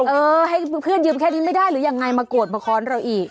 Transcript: เออให้เพื่อนยืมแค่นี้ไม่ได้หรือยังไงมาโกรธมาค้อนเราอีก